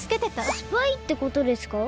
スパイってことですか？